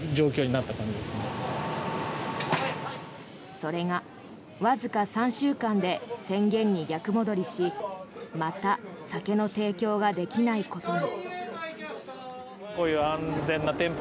それがわずか３週間で宣言に逆戻りしまた酒の提供ができないことに。